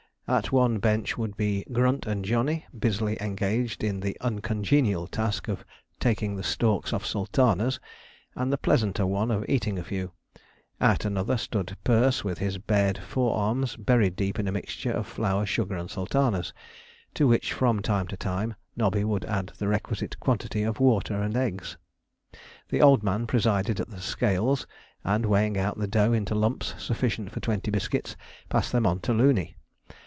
At one bench would be Grunt and Johnny busily engaged in the uncongenial task of taking the stalks off sultanas, and the pleasanter one of eating a few. At another stood Perce with his bared forearms buried deep in a mixture of flour, sugar, and sultanas, to which from time to time Nobby would add the requisite quantities of water and eggs. The Old Man presided at the scales and, weighing out the dough into lumps sufficient for twenty biscuits, passed them on to Looney.